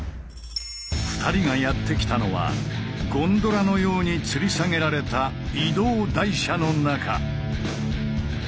２人がやって来たのはゴンドラのようにつり下げられた移動台車の中。